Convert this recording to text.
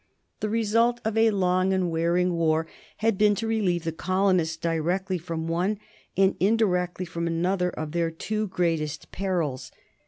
The result of a long and wearing war had been to relieve the colonists directly from one and indirectly from the other of their two greatest perils.